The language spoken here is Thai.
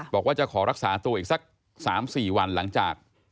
บอกว่าจะขอรักษาตัวอีกสัก๓๔วันหลังจาก